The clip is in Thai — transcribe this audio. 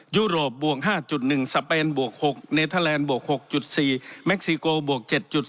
ยุโรปบวก๕๑สเปนบวก๖เนเทอร์แลนดวก๖๔เม็กซิโกบวก๗๒